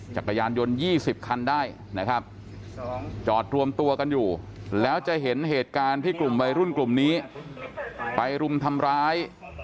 จักรยานยนต์๒๐คันได้นะครับจอดรวมตัวกันอยู่แล้วจะเห็นเหตุการณ์ที่กลุ่มวัยรุ่นกลุ่มนี้ไปรุมทำร้าย